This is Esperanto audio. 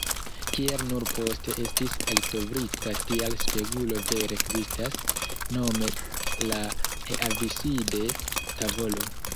Kiel nur poste estis eltrovita, tia spegulo vere ekzistas, nome la Heaviside-tavolo.